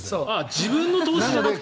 自分の投資じゃなくて？